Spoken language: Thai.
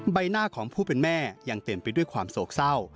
ใบหน้าของผู้เป็นแม่ยังเต็มไปด้วยความโศกเศร้า